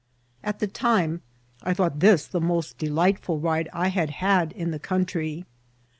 At the time I thought this the moot delij^itful ride I had had in the country.